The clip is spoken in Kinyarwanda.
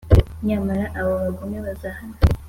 Nyamara abo bagome bazahanwa